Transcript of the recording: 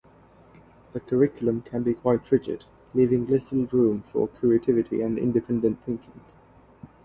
The curriculum can be quite rigid, leaving little room for creativity and independent thinking.